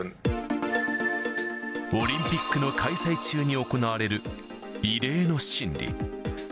オリンピックの開催中に行われる異例の審理。